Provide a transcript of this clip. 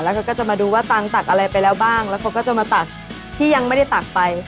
แล้วก็จะมาดูว่าตังค์ตักอะไรไปแล้วบ้างแล้วเขาก็จะมาตักที่ยังไม่ได้ตักไป